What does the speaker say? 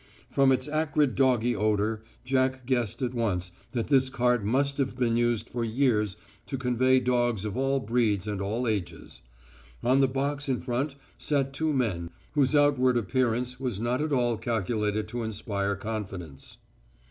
From its acrid doggy odour Jack guessed at once that this cart must have been used for years to convey dogs of all breeds and all ages. On the box in front sat two men, whose out ward appearance was not at all calculated to inspire confidence.